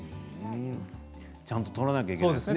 ちゃんと、とらなきゃいけないですね。